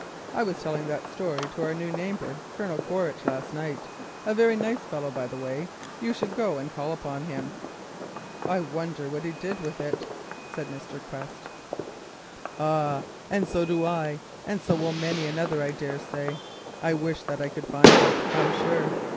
I was telling that story to our new neighbour, Colonel Quaritch, last night—a very nice fellow, by the way; you should go and call upon him." "I wonder what he did with it," said Mr. Quest. "Ah, so do I, and so will many another, I dare say. I wish that I could find it, I'm sure.